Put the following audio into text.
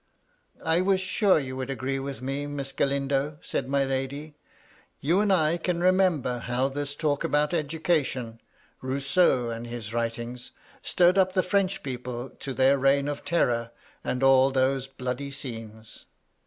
" I was sure you would agree with me, Miss Ga lindo," said my lady. "You and I can remember how this talk about education — Rousseau, and his writings — stirred up the French people to their Reign of Terror, and all those bloody scenes."